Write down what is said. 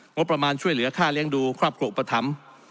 งบประมาณช่วยเหลือค่าเลี้ยงดูครอบครัวอุปถัมภ์